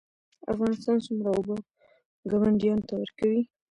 افغانستان څومره اوبه ګاونډیانو ته ورکوي؟